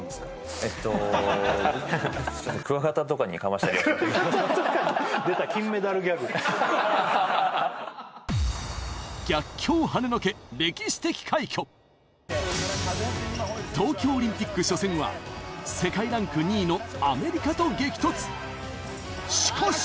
ちょっとクワガタとかに東京オリンピック初戦は世界ランク２位のアメリカと激突しかし！